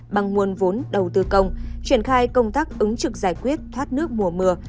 bằng nguồn vốn đầu tư công triển khai công tác ứng trực giải quyết thoát nước mùa mưa